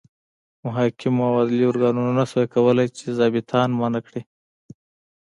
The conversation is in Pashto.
محاکمو او عدلي ارګانونو نه شوای کولای چې ظابیطان منع کړي.